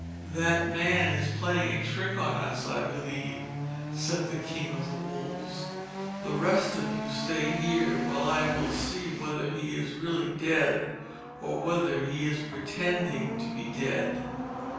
"That man is playing a trick on us, I believe," said the King of the Wolves. "The rest of you stay here while I will see whether he is really dead, or whether he is pretending to be dead."